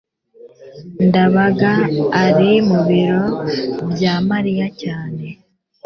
ndabaga ari mu biro bya mariya cyane